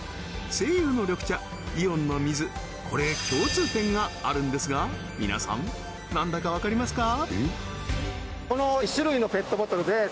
西友の緑茶イオンの水これ共通点があるんですが皆さん何だか分かりますか？